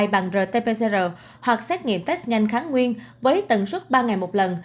bằng rt pcr hoặc xét nghiệm test nhanh kháng nguyên với tần suất ba ngày một lần